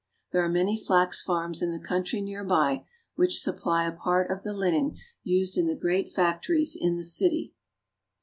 There are many flax farms in the country near by, which supply a part of the linen used in the great factories in the city.